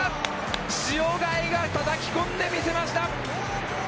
塩貝がたたきこんで見せました。